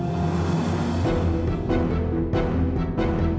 emang gak ya mas satria